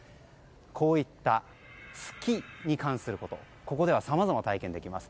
こういった月に関することをここではさまざま体験できます。